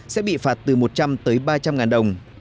sẽ bị phạt từ một trăm linh tới ba trăm linh ngàn đồng